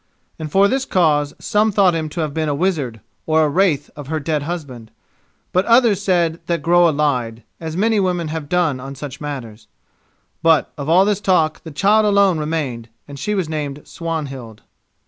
And for this cause some thought him to have been a wizard or the wraith of her dead husband; but others said that Groa lied, as many women have done on such matters. But of all this talk the child alone remained and she was named Swanhild.